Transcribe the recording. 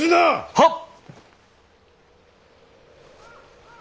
はっ！